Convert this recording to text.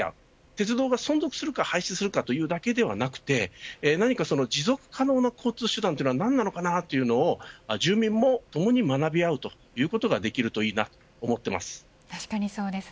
鉄道が存続するか廃止するかというだけではなく何か持続可能な交通手段は何なのかということを住民も共に学び合うということができるといいなと思っています。